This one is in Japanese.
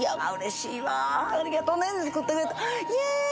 ありがとね作ってくれて。